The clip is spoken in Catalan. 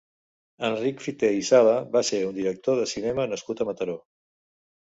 Enric Fité i Sala va ser un director de cinema nascut a Mataró.